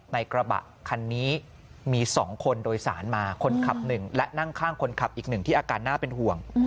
กระบะคันนี้มี๒คนโดยสารมาคนขับหนึ่งและนั่งข้างคนขับอีกหนึ่งที่อาการน่าเป็นห่วง